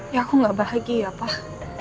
ya aku gak bahagia ya pak